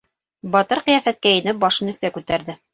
Батыр ҡиәфәткә инеп башын өҫкә күтәрҙе.